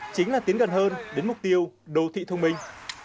chính là tiến gần hơn đến mục tiêu đô thị thông minh